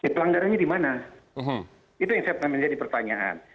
pelanggarannya di mana itu yang saya pengen jadi pertanyaan